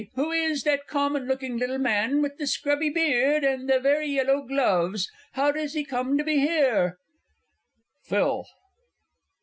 Who is that common looking little man with the scrubby beard, and the very yellow gloves how does he come to be here? PHIL.